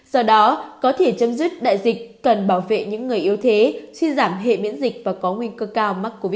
do đó có thể chấm dứt đại dịch cần bảo vệ những người yếu thế suy giảm hệ miễn dịch và có nguy cơ cao mắc covid một mươi chín